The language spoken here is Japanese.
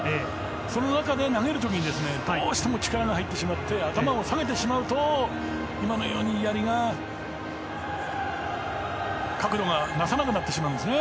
その中で投げる時にどうしても力が入ってしまって頭を下げてしまうと今のように、やりが角度が出せなくなってしまうんですね。